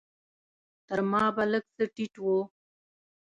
تر ما به لږ څه ټيټ و.